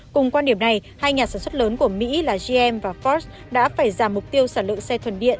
cùng quan điểm này hai nhà sản xuất lớn của mỹ là gm và ford đã phải giảm mục tiêu sản lượng xe thuần điện